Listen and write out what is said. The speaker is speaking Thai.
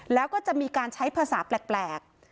แล้วก็จะมีการใช้ภาษาแปลก